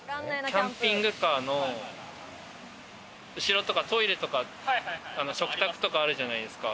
キャンピングカーの後ろとかトイレとか食卓とかあるじゃないですか。